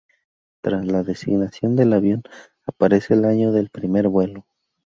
Tras la designación del avión aparece el año del primer vuelo.